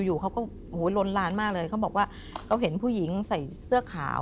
อยู่เขาก็โอ้โหลนลานมากเลยเขาบอกว่าเขาเห็นผู้หญิงใส่เสื้อขาว